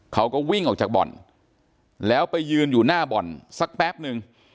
เขาก็วิ่งออกจากบ่อนแล้วไปยืนอยู่หน้าบ่อนสักแป๊บนึง